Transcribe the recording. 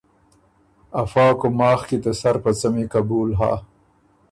افا کُوماخ کی ته سر په څمی قبول هۀ